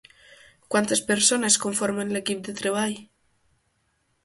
Quantes persones conformen l'equip de treball?